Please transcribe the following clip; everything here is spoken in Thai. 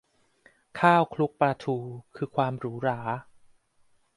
ข้าวคลุกปลาทู คือความหรูหรา